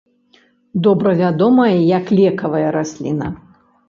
Добра вядомая як лекавая расліна.